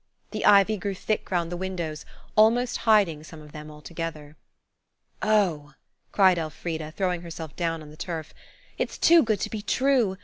The ivy grew thick round the windows, almost hiding some of them altogether. "Oh!" cried Elfrida, throwing herself down on the turf, "it's too good to be true.